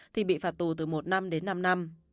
thì bị phạt tù từ một năm đến năm năm